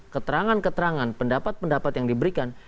keterangan keterangan pendapat pendapat yang diberikan